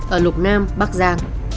ở lục nam bắc giang